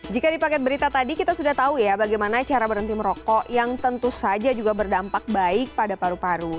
jika di paket berita tadi kita sudah tahu ya bagaimana cara berhenti merokok yang tentu saja juga berdampak baik pada paru paru